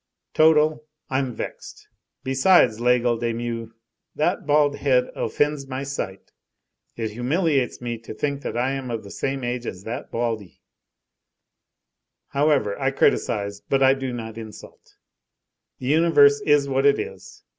Total: I'm vexed. Besides, Laigle de Meaux, that bald head, offends my sight. It humiliates me to think that I am of the same age as that baldy. However, I criticise, but I do not insult. The universe is what it is.